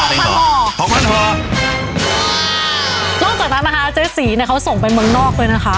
ร่วมจากนั้นนะคะเจ๊สีเนี่ยเขาส่งไปเมืองนอกเลยนะคะ